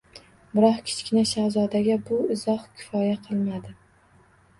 Biroq Kichkina shahzodaga bu izoh kifoya qilmadi.